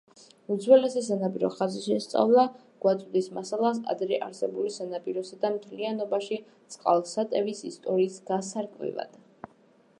უძველესი სანაპირო ხაზის შესწავლა გვაწვდის მასალას ადრე არსებული სანაპიროსა და მთლიანობაში წყალსატევის ისტორიის გასარკვევად.